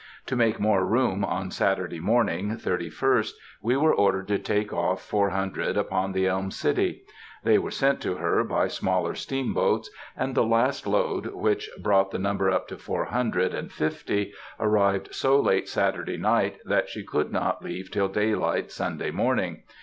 To make more room, on Saturday morning, 31st, we were ordered to take off four hundred upon the Elm City. They were sent to her by smaller steamboats, and the last load, which brought the number up to four hundred and fifty, arrived so late Saturday night that she could not leave till daylight Sunday morning.